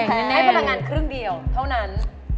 อันนี้น่าจะแพงให้พนักงานครึ่งเดียวเท่านั้น